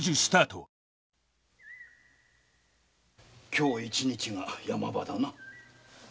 今日一日が山場だな